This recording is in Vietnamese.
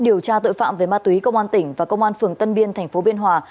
điều tra tội phạm về ma túy công an tỉnh và công an phường tân biên tp biên hòa